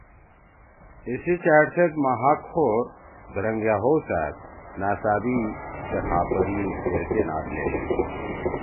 ایِسی ڇأڑ سیت مہاگ خور، دھرنگأ ہؤسأد، نأڅأبی سے خاپری دیرکینا لھینگی۔